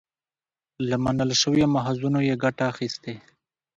له منل شويو ماخذونو يې ګټه اخستې